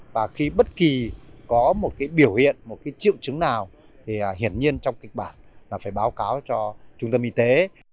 và khi bất kỳ có một cái biểu hiện một triệu chứng nào thì hiển nhiên trong kịch bản là phải báo cáo cho trung tâm y tế